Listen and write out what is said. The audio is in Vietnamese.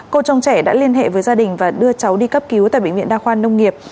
cô trông trẻ đã liên hệ với gia đình và đưa cháu đi cấp cứu tại bệnh viện đa khoa nông nghiệp